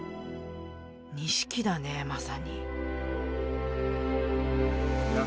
錦だねまさに。